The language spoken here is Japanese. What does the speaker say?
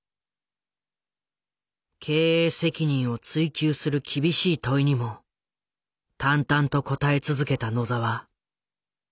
経営責任を追及する厳しい問いにも淡々と答え続けた野澤。